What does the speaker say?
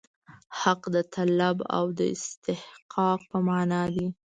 حق د طلب او استحقاق په معنا دی.